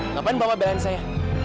ngapain bawa belain saya